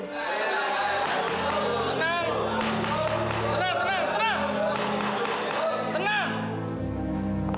tenang tenang tenang